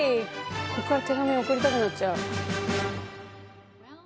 ここから手紙送りたくなっちゃう。